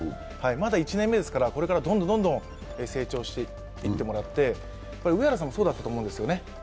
まだ１年目ですから、これからどんどん成長していってもらって上原さんもそうだったと思うんですよね。